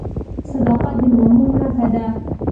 صداقت د مامور نښه ده؟